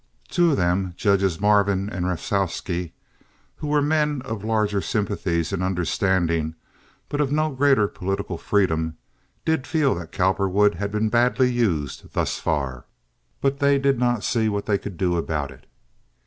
Two of them, Judges Marvin and Rafalsky, who were men of larger sympathies and understanding, but of no greater political freedom, did feel that Cowperwood had been badly used thus far, but they did not see what they could do about it.